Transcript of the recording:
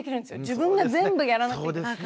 自分が全部やらなきゃいけない。